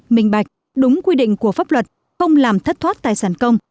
minh bạch đúng quy định của pháp luật không làm thất thoát tài sản công